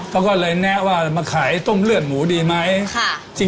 เขาก็เลยแนะว่ามาขายต้มเลือดหมูดีไหม